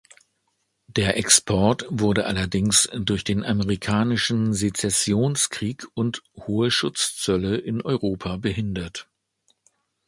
Der Export wurde allerdings durch den amerikanischen Sezessionskrieg und hohe Schutzzölle in Europa behindert.